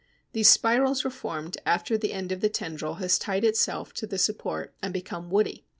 These spirals are formed after the end of the tendril has tied itself to the support and become woody.